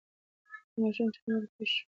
هغه ماشوم چې خندل، خوښ و.